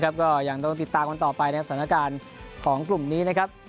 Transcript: ก็ยังต้องติดตามกันต่อไปนะครับสถานการณ์ของกลุ่มนี้นะครับ